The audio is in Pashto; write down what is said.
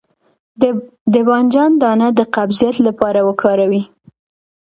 د بانجان دانه د قبضیت لپاره وکاروئ